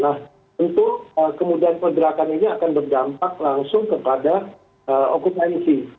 nah tentu kemudahan pergerakan ini akan berdampak langsung kepada okupansi